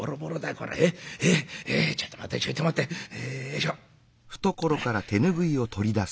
えちょっと待ってちょいと待てよいしょ」。